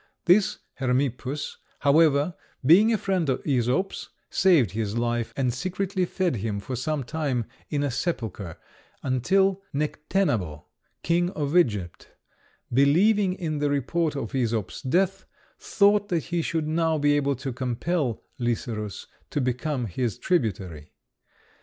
This Hermippus, however, being a friend of Æsop's, saved his life, and secretly fed him for some time in a sepulchre, until Necténabo, King of Egypt, believing in the report of Æsop's death, thought that he should now be able to compel Lycerus to become his tributary.